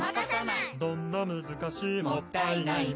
「どんな難しいもったいないも」